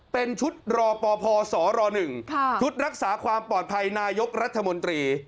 เป็นชุดรอปภสร๑ชุดรักษาความปลอดภัยนายกรัฐมนตรี